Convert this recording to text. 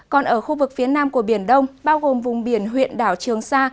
còn ở khu vực phía nam của biển đông bao gồm vùng biển huyện đảo trường sa